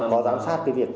có giám sát cái việc